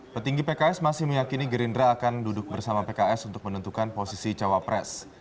petinggi pks masih meyakini gerindra akan duduk bersama pks untuk menentukan posisi cawapres